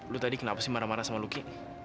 lo tadi kenapa sih marah marah sama lucky